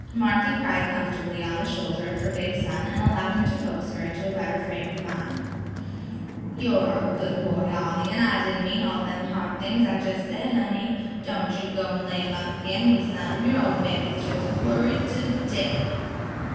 Marthy cried comfortably on the shoulder of her big son and allowed him to coax her into a better frame of mind. "You are a good boy, Ollie, and I didn't mean all them hard things I jes' said, honey. Don' you go an' lay 'em up agin me, son; your ol' mammy's jes' worrited to death."